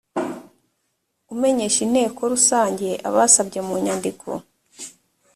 umenyesha inteko rusange abasabye mu nyandiko